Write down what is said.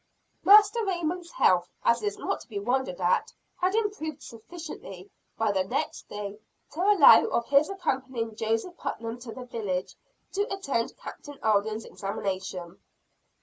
Master Raymond's health, as is not to be wondered at, had improved sufficiently by the next day, to allow of his accompanying Joseph Putnam to the village, to attend Captain Alden's examination.